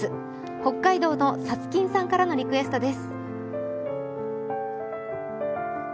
北海道のサツキンさんからのリクエストです。